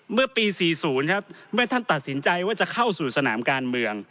เมื่อปี๔๐ครับเมื่อท่านตัดสินใจว่าจะเข้าสู่สนามการเมือง